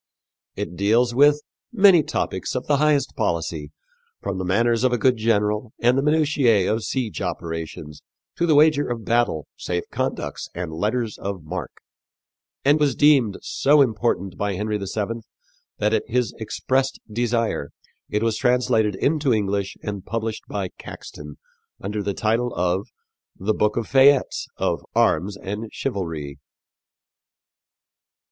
It deals with "many topics of the highest policy, from the manners of a good general and the minutiæ of siege operations to the wager of battle, safe conducts and letters of marque," and was deemed so important by Henry VII that at his expressed desire it was translated into English and published by Caxton under the title of The Boke of Fayettes of Armes and Chyvalrye.